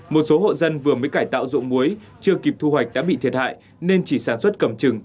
một số hộ dân vừa mới cải tạo dụng muối chưa kịp thu hoạch đã bị thiệt hại nên chỉ sản xuất cầm trừng